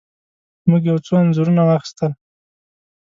موږ یو څو انځورونه واخیستل.